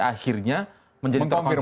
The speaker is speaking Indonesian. akhirnya menjadi terkonfirmasi